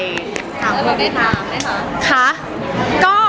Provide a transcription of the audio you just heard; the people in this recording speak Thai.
แล้วเราได้ถามไหมคะ